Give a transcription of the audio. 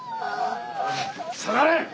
下がれ！